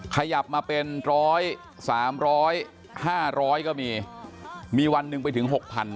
ขยับมาเป็นร้อย๓๐๐๕๐๐ก็มีมีวันหนึ่งไปถึง๖๐๐